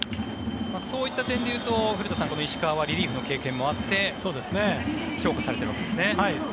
そういった点でいうと古田さん、石川はリリーフの経験もあって評価されているわけですね。